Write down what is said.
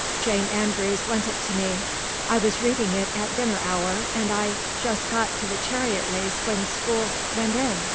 Jane Andrews lent it to me. I was reading it at dinner hour, and I had just got to the chariot race when school went in.